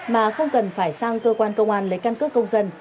mà không cần phải sang cơ quan công an lấy căn cước công dân